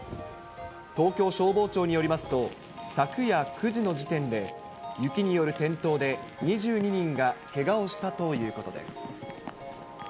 東京消防庁によりますと、昨夜９時の時点で、雪による転倒で２２人がけがをしたということです。